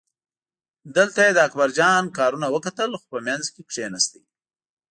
دلته یې د اکبرجان کارونه وکتل نو په منځ کې کیناست.